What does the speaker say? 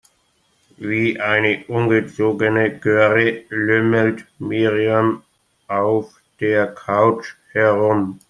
Wie eine ungezogene Göre lümmelt Miriam auf der Couch herum.